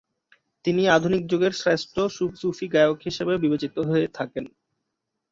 তিনি আধুনিক যুগের শ্রেষ্ঠ সূফী গায়ক হিসেবে বিবেচিত হয়ে থাকেন।